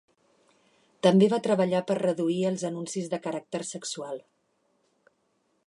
També va treballar per reduir els anuncis de caràcter sexual.